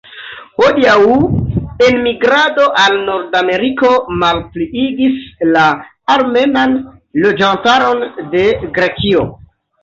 Hodiaŭ, enmigrado al Nordameriko malpliigis la armenan loĝantaron de Grekio.